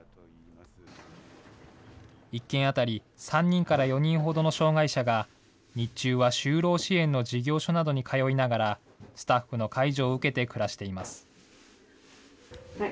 １軒当たり、３人から４人ほどの障害者が、日中は就労支援の事業所などに通いながら、スタッフの介助を受けて暮らしています。